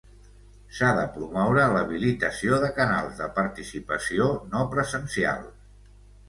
S'ha de promoure l'habilitació de canals de participació no presencials.